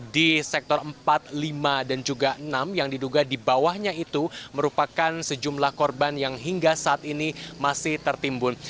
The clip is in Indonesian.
di sektor empat lima dan juga enam yang diduga di bawahnya itu merupakan sejumlah korban yang hingga saat ini masih tertimbun